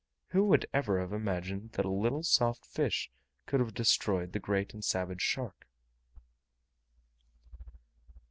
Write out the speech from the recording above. Who would ever have imagined that a little soft fish could have destroyed the great and savage shark?